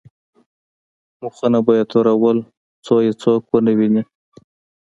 مخونه به یې تورول څو یې څوک ونه ویني.